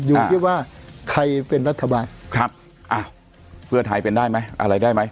อยู่ที่ว่าใครเป็นรัฐบาลครับอ้าวเพื่อไทยเป็นได้ไหมอะไรได้ไหม